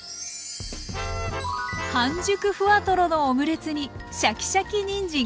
半熟ふわとろのオムレツにシャキシャキにんじん。